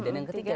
dan yang ketiga